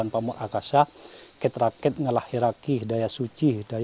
sama seperti maknanya besi diberikan kepada alimani